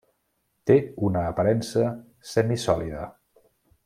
Té una aparença semisòlida.